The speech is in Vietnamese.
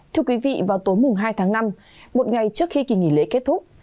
thưa quý vị vào tối mùng hai tháng năm một ngày trước khi kỳ nghỉ lễ kết thúc